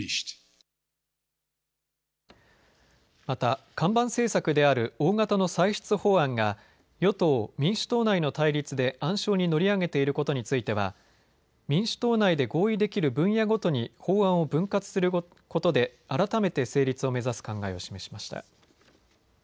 また、看板政策である大型の歳出法案が与党民主党内の対立で暗礁に乗り上げていることについては民主党内で合意できる分野ごとに法案を分割することで改めて成立を目指す考えを示しました。